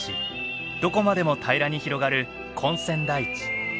どこまでも平らに広がる根釧台地。